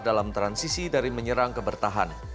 dalam transisi dari menyerang ke bertahan